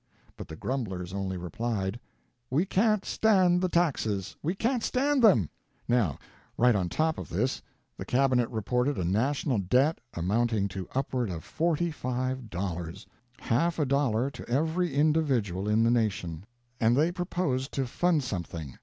But the grumblers only replied, "We can't stand the taxes we can't stand them." Now right on top of this the cabinet reported a national debt amounting to upward of forty five dollars half a dollar to every individual in the nation. And they proposed to fund something.